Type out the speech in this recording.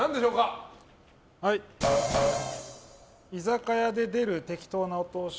居酒屋で出る適当なお通し。